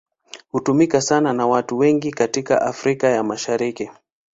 Hutumika sana na watu wengi katika Afrika ya Mashariki.